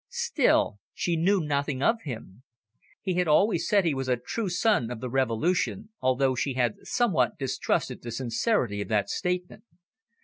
Still, she knew nothing of him. He had always said he was a true son of the Revolution, although she had somewhat distrusted the sincerity of that statement.